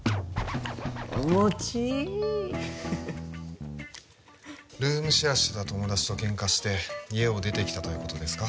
おもちルームシェアしてた友達とケンカして家を出てきたということですか？